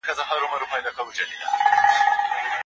د کلمو د سمو اوازونو زده کړه.